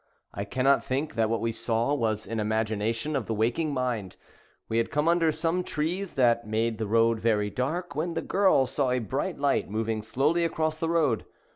I cannot think that what we saw was an imagination of the waking mind. We had come under some trees that made the road very dark, when the girl saw a bright light moving slowly across the road.